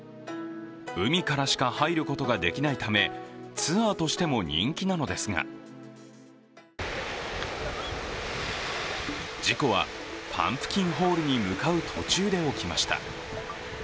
海からしか入ることができないためツアーとしても人気なのですが事故はパンプキンホールに向かう途中で起きました。